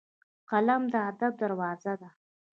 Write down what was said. قلم د ادب دروازه ده